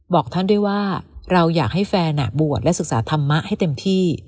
บอกท่านด้วยว่าเราอยากให้แฟนบวชและศึกษาธรรมะให้เต็มที่